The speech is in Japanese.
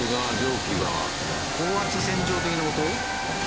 高圧洗浄的な事？